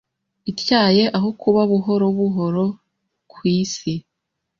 ityaye aho kuba buhoro buhoroKu isi